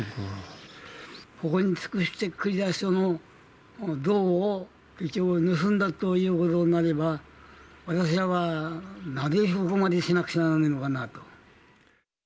ここに尽くしてくれた人の像を、盗んだということになれば、私らはなぜそこまでしなくちゃなんねぇのかなと。